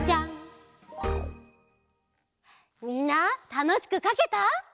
みんなたのしくかけた？